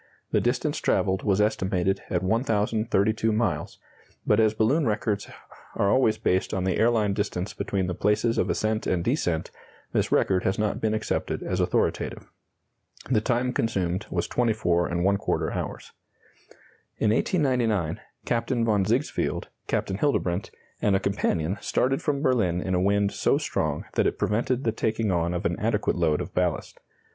The distance travelled was estimated at 1,032 miles, but as balloon records are always based on the airline distance between the places of ascent and descent, this record has not been accepted as authoritative. The time consumed was 24¼ hours. In 1899, Captain von Sigsfield, Captain Hildebrandt, and a companion started from Berlin in a wind so strong that it prevented the taking on of an adequate load of ballast.